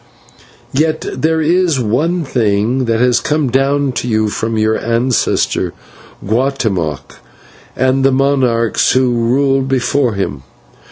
"Yet there is one thing that has come down to you from your ancestor, Guatemoc, and the monarchs who ruled before him.